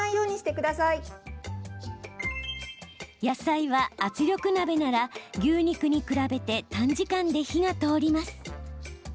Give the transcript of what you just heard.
野菜は圧力鍋なら牛肉に比べて短時間で火が通ります。